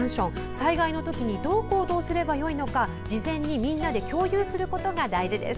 災害のときにどう行動すればよいのか事前にみんなで共有することが大事です。